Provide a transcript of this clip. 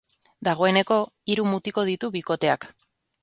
Dagoeneko hiru mutiko ditu bikoteak.